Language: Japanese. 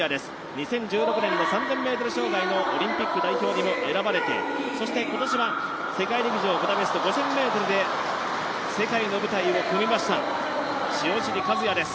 ２０１６年の３０００ｍ障害のオリンピック代表にも選ばれてそして今年は世界陸上ブダペスト５０００ｍで世界の舞台を踏みました、塩尻和也です。